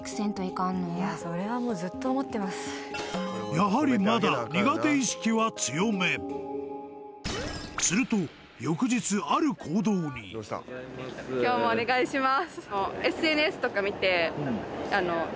やはりまだすると翌日今日もお願いします